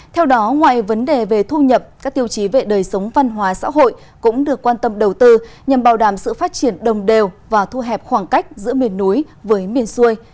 theo đó ngoài vấn đề về thu nhập các tiêu chí về đời sống văn hóa xã hội cũng được quan tâm đầu tư nhằm bảo đảm sự phát triển đồng đều và thu hẹp khoảng cách giữa miền núi với miền xuôi